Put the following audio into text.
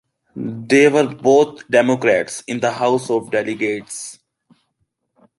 They were both Democrats in the House of Delegates.